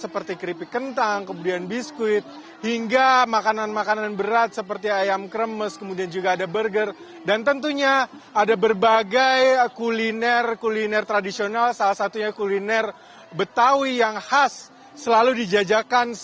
pekan raya jakarta